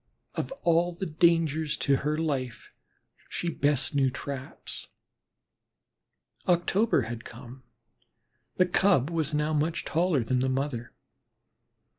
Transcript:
Of all the dangers to her life she best knew traps. October had come; the Cub was now much taller than the mother.